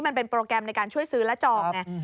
มันเป็นโปรแกรมในการช่วยซื้อและจองไง